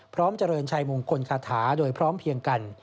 เจริญชัยมงคลคาถาโดยพร้อมเพียงกัน